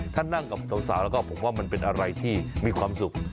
ถ้านั่งกับสาวแล้วก็ผมว่ามันเป็นอะไรที่มีความสุข